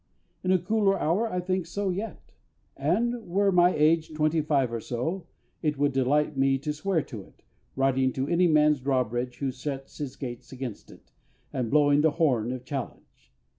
In a cooler hour I think so yet; and, were my age twenty five or so, it would delight me to swear to it, riding to any man's drawbridge who shuts his gates against it, and blowing the horn of challenge.